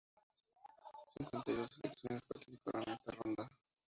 Cincuenta y dos selecciones participarán en esta ronda.